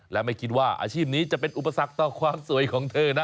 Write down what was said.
และไม่คิดว่าอาชีพนี้จะเป็นอุปสรรคต่อความสวยของเธอนะ